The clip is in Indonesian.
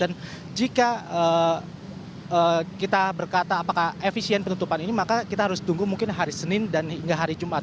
dan jika kita berkata apakah efisien penutupan ini maka kita harus tunggu mungkin hari senin dan hingga hari jumat